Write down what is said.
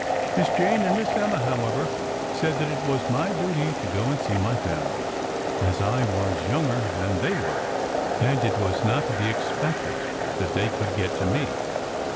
Miss Jane and Miss Emma, however, said that it was my duty to go and see my family, as I was younger than they were, and it was not to be expected that they could get to me.